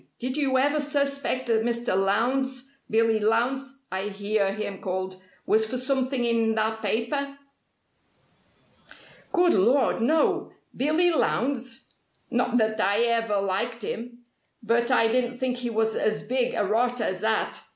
Did you ever suspect that Mr. Lowndes 'Billy Lowndes' I hear him called was for something in that paper?" "Good lord, no! Billy Lowndes! Not that I ever liked him. But I didn't think he was as big a rotter as that!